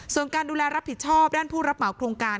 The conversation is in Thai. ส่วนการดูแลรับผิดชอบด้านผู้รับเหมาโครงการ